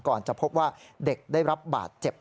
จะพบว่าเด็กได้รับบาดเจ็บ